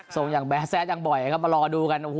ทรงแบบแบสแซสอย่างบ่อยครับมารอดูกัน